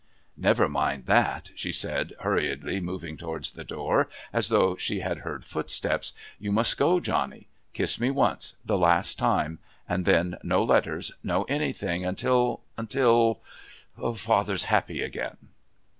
"Never mind that," she said, hurriedly moving towards the door, as though she had heard footsteps. "You must go, Johnny. Kiss me once, the last time. And then no letters, no anything, until until father's happy again."